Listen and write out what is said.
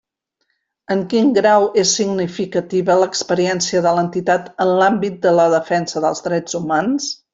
En quin grau és significativa l'experiència de l'entitat en l'àmbit de la defensa dels drets humans?